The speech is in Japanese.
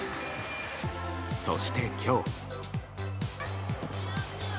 そして、今日。